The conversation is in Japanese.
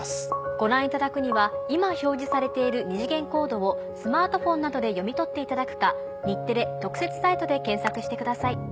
ご覧いただくには今表示されている二次元コードをスマートフォンなどで読み取っていただくか日テレ特設サイトで検索してください。